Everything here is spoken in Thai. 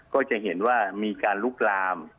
ก็จะเห็นว่ามีการลุกลาม